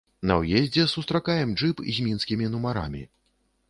На ўездзе сустракаем джып з мінскімі нумарамі.